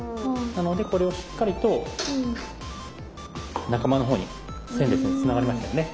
なのでこれをしっかりと仲間のほうに線でつながりましたよね。